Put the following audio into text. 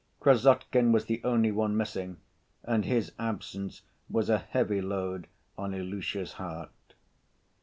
Krassotkin was the only one missing and his absence was a heavy load on Ilusha's heart.